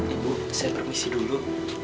ibu saya permisi dulu